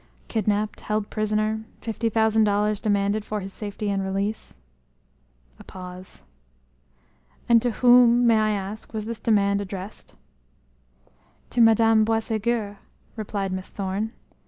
"Kidnapped held prisoner fifty thousand dollars demanded for his safety and release." A pause. "And to whom, may I ask, was this demand addressed?" "To Madame Boisségur," replied Miss Thorne.